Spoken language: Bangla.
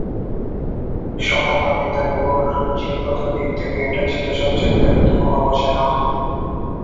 সমকামিতার উপর জিনগত দিক থেকে এটা ছিল সবচেয়ে বৃহত্তম গবেষণা।